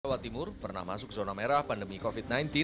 jawa timur pernah masuk zona merah pandemi covid sembilan belas